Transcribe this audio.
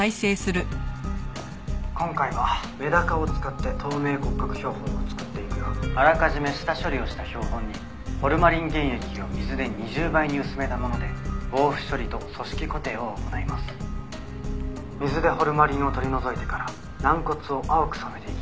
「今回はメダカを使って透明骨格標本を作っていくよ」「あらかじめ下処理をした標本にホルマリン原液を水で２０倍に薄めたもので防腐処理と組織固定を行います」「水でホルマリンを取り除いてから軟骨を青く染めていきます」